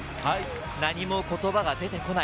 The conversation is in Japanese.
何も言葉が出てこない。